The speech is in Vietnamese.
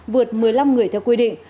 vượt một mươi năm người theo quy định